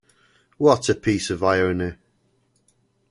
What a piece of irony!